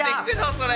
それ！